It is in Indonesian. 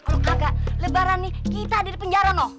kalau kagak lebaran nih kita ada di penjara no